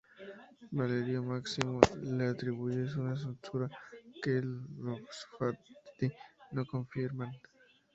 Valerio Máximo le atribuye una censura, que los Fasti no confirman.